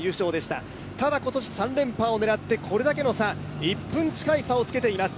ただ今年３連覇を狙ってこれだけの差１分近い差をつけています。